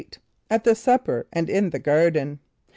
At the Supper and in the Garden.